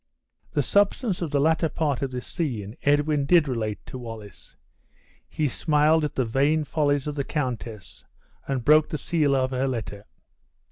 The substance of the latter part of this scene Edwin did relate to Wallace. He smiled at the vain follies of the countess, and broke the seal of her letter.